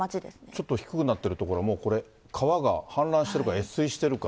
ちょっと低くなっている所、これ、川が氾濫してるか、越水してるか。